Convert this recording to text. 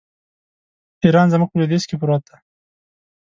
ایران زموږ په لوېدیځ کې پروت دی.